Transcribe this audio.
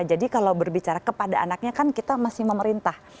jadi kalau berbicara kepada anaknya kan kita masih memerintah